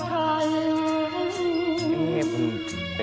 อย่าลืมลูกภูมิที่ขับรถไทย